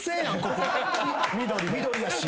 緑やし。